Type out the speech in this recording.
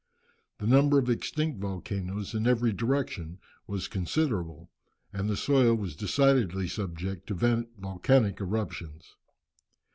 The number of extinct volcanoes in every direction was considerable, and the soil was decidedly subject to volcanic eruptions.